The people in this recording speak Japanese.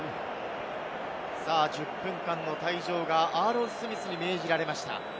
１０分間の退場がアーロン・スミスに命じられました。